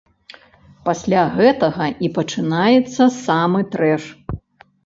Пасля гэтага і пачынаецца самы трэш.